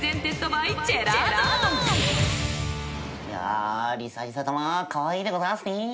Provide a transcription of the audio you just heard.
いやリサリサたまカワイイでございますね。